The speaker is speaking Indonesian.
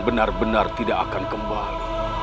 benar benar tidak akan kembali